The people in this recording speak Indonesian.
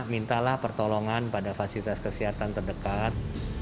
mintalah pertolongan pada fasilitas kesehatan terdekat